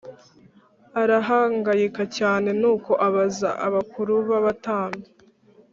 arahangayika cyane Nuko abaza abakuru b abatambyi